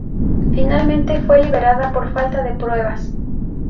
Finalmente fue liberada por falta de pruebas.